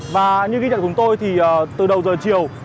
và như ghi nhận của tôi thì từ đầu giờ chiều